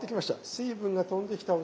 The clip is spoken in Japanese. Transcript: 水分が飛んできた音が。